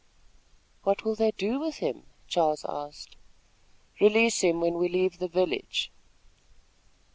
"What will they do with him?" Charles asked. "Release him when we leave the village."